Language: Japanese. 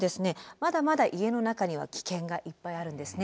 まだまだ家の中には危険がいっぱいあるんですね。